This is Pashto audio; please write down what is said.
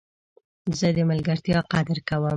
زه د ملګرتیا قدر کوم.